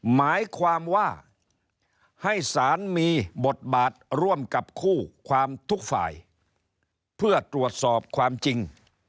หมายความว่าให้สารมีบทบาทร่วมกับคู่ความทุกฝ่ายเพื่อตรวจสอบความจริง